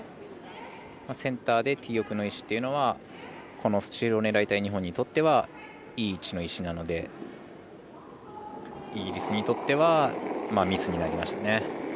センターでティー奥の石というのはこのスチールを狙いたい日本にとってはいい位置の石なのでイギリスにとってはミスになりました。